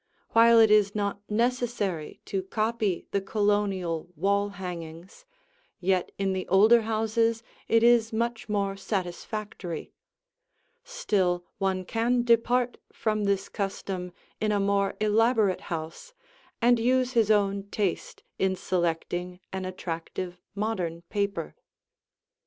While it is not necessary to copy the Colonial wall hangings, yet in the older houses it is much more satisfactory; still one can depart from this custom in a more elaborate house and use his own taste in selecting an attractive modern paper.